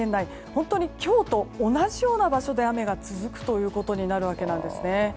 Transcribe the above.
本当に今日と同じような場所で雨が続くことになるわけなんですね。